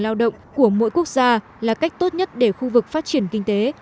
lao động của mỗi quốc gia là cách tốt nhất để khu vực phát triển kinh tế